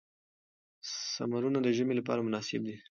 سمورونه د ژمي لپاره مناسب دي.